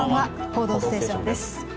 「報道ステーション」です。